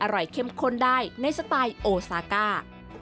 อร่อยเข้มขนได้ในสไตล์โอซากา